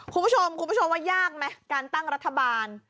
คุณผู้ชมคุณผู้ชมว่ายากไหมการตั้งรัฐบาล